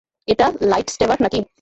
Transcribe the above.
এটা লাইটস্ট্যাবার নাকি?